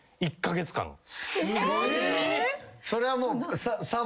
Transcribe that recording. それはもう。